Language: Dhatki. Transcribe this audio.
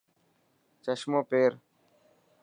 چشمو پير.